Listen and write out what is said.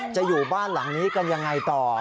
อยู่บ้านหลังนี้กันยังไงต่อ